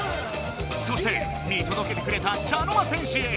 そして見とどけてくれた茶の間戦士へ。